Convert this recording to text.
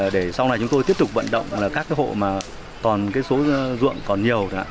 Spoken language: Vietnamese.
để sau này chúng tôi tiếp tục vận động các hộ mà còn số ruộng còn nhiều